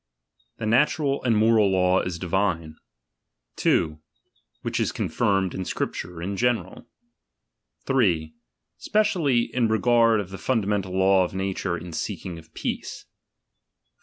The natural and moral law is divine. 3. Which is conHnned in Scripture, in general. 3. Specially, in regard of the funda menUl law of nature in seeking of peace. 4.